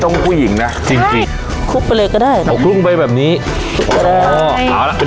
ต้องคู่หญิงนะจริงไปเลยก็ได้นะหลุกไปแบบนี้เออเอาล่ะ